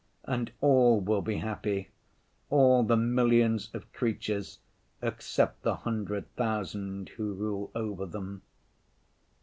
And all will be happy, all the millions of creatures except the hundred thousand who rule over them.